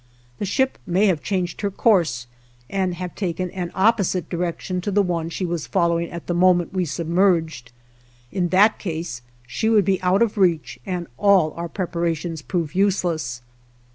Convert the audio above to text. The ship may have changed her course and have taken an opposite direction to the one she was following at the moment we submerged. In that case she would be out of reach and all our preparations prove useless.